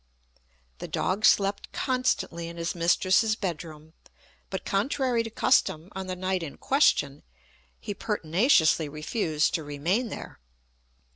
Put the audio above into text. The dog slept constantly in his mistress's bed room, but, contrary to custom on the night in question, he pertinaciously refused to remain there.